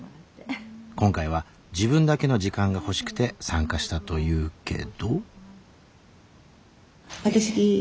今回は自分だけの時間が欲しくて参加したというけど。